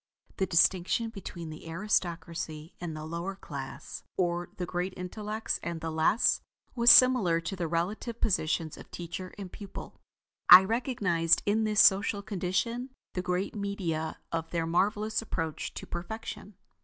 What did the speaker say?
The distinction between the aristocracy and the lower class, or the great intellects and the less, was similar to the relative positions of teacher and pupil. I recognized in this social condition the great media of their marvelous approach to perfection.